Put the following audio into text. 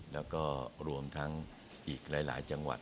แล้วก็รวมทั้งอีกหลายจังหวัด